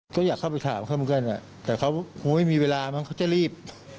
ก็อยากเข้าไปถามเขาเหมือนกันแต่เขาคงไม่มีเวลามั้งเขาจะรีบ